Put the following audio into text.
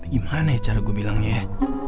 gimana ya cara gue bilangnya ya